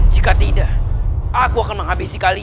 jika tidak aku akan menghabisi kalian